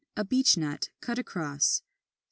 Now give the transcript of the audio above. A Beech nut, cut across. 32.